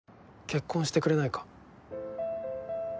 結婚してくれないか？